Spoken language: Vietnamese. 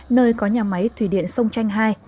nơi có nhà máy thủy điện sông chanh hai